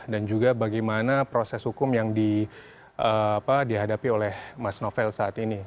dan juga bagaimana proses hukum yang dihadapi oleh mas novel saat ini